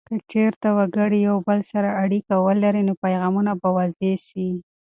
که چیرته وګړي یو بل سره اړیکه ولري، نو پیغامونه به واضح سي.